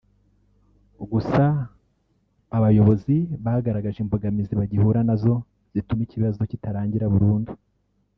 Gusa aba bayobozi bagaragaje imbogamizi bagihura nazo zituma ikibazo kitarangira burundu